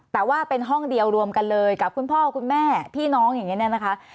แต่ว่าเป็นห้องเดียวรวมกันเลยกับคุณพ่อคุณแม่พี่น้องอย่างนี้เนี่ยนะคะ